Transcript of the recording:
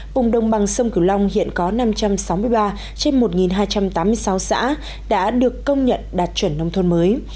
vùng đồng bằng sông cửu long hiện có năm trăm sáu mươi ba trên một hai trăm tám mươi sáu xã đã được công nhận đạt chuẩn nông thôn mới